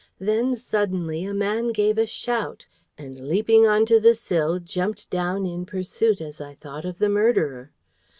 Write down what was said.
Then, suddenly, a man gave a shout, and leaping on to the sill, jumped down in pursuit, as I thought, of the murderer.